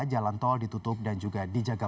jalan tol ditutup dan juga dijaga